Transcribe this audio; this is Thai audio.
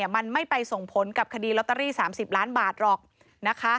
มันไม่ไปส่งผลกับคดีลอตเตอรี่๓๐ล้านบาทหรอกนะคะ